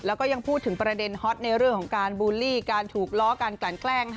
แล้วก็ยังพูดถึงประเด็นฮอตในเรื่องของการบูลลี่การถูกล้อการกลั่นแกล้ง